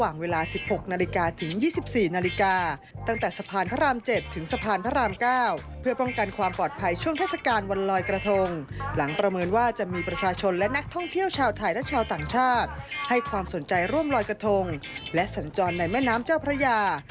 ในร่วมรอยกระทงและสัญจรณ์ในแม่น้ำเจ้าพระยา